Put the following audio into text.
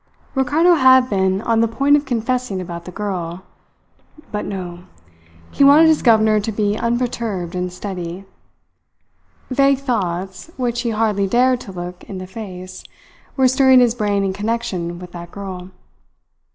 Ricardo had been on the point of confessing about the girl; but no! He wanted his governor to be unperturbed and steady. Vague thoughts, which he hardly dared to look in the face, were stirring his brain in connection with that girl.